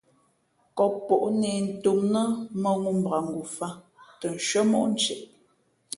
Kǒppǒʼ nē ntōm nά mᾱŋū mbakngofāt tα nshʉ́ά móʼ ntieʼ.